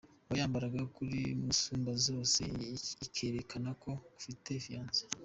Wayambara kuri musumbazose ikerekana ko ufite fiance,.